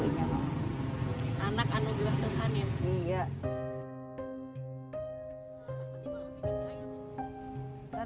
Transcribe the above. anaknya mau dikair